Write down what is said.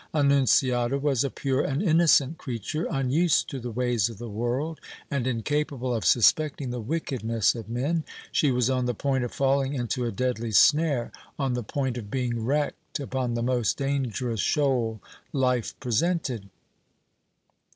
Annunziata was a pure and innocent creature, unused to the ways of the world and incapable of suspecting the wickedness of men. She was on the point of falling into a deadly snare, on the point of being wrecked upon the most dangerous shoal life presented.